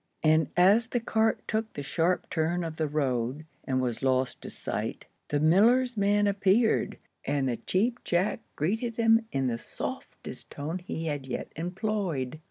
And as the cart took the sharp turn of the road, and was lost to sight, the miller's man appeared, and the Cheap Jack greeted him in the softest tone he had yet employed.